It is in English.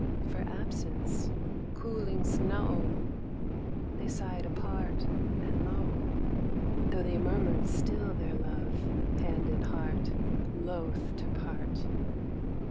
For absence! cooling snow They sighed apart and low, Tho' they murmured still their love, hand and heart loth to part.